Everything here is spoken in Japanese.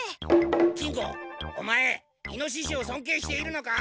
金吾オマエイノシシを尊敬しているのか？